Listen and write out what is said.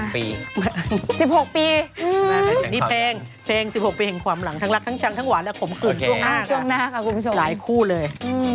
๑๖ปีนี่เพลง๑๖ปีห่างความหลังทั้งรักทั้งชังทั้งหวานและขมขืนช่วงหน้าและหลายคู่เลย